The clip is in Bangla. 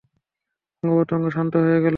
অঙ্গ-প্রতঙ্গ শান্ত হয়ে গেল।